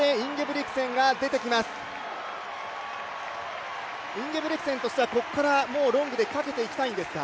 インゲブリクセンとしてはここからロングでかけていきたいんですか？